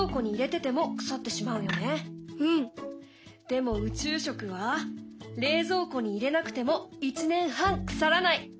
でも宇宙食は冷蔵庫に入れなくても１年半腐らない。